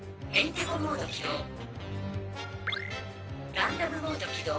「ランダムモードきどう。